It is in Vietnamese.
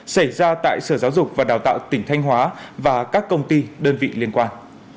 xảy ra tại sở giáo dục và đào tạo tỉnh thanh hóa và các công ty đơn vị liên quan